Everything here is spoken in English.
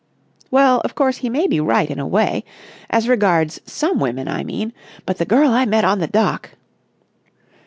'" "Well, of course, he may be right in a way. As regards some women, I mean. But the girl I met on the dock...."